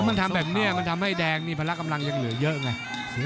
มันทำแบบนี้มันทำให้แดงนี่พละกำลังยังเหลือเยอะไง